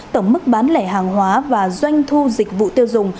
tổng mức bán lẻ hàng hóa và doanh thu dịch vụ tiêu dùng